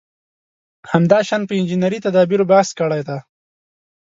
همداشان په انجنیري تدابېرو بحث کړی دی.